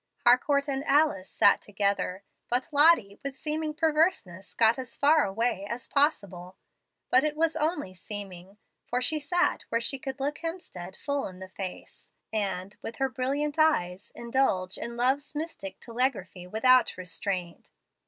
Harcourt and Alice sat together; but Lottie, with seeming perverseness, got as far away as possible. But it was only seeming, for she sat where she could look Hemstead full in the face, and, with her brilliant eyes, indulge in love's mystic telegraphy without restraint.